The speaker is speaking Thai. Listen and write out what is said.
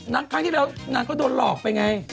ครั้งที่แล้วนางก็โดนหลอกไปไง